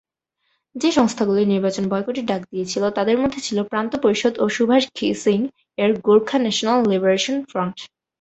যে সংস্থাগুলি নির্বাচন বয়কটের ডাক দিয়েছিল তাদের মধ্যে ছিল প্রান্ত পরিষদ ও সুভাষ ঘিসিং-এর গোর্খা ন্যাশনাল লিবারেশন ফ্রন্ট।